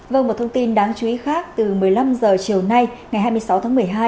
vâng một thông tin đáng chú ý khác từ một mươi năm h chiều nay ngày hai mươi sáu tháng một mươi hai